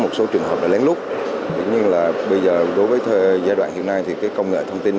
một số trường hợp đã lén lút nhưng bây giờ đối với giai đoạn hiện nay thì công nghệ thông tin